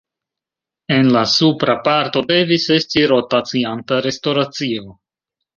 En la supra parto devis esti rotacianta restoracio.